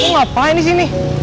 mau ngapain disini